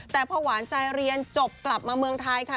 แต่พอหวานใจเรียนจบกลับมาเมืองไทยค่ะ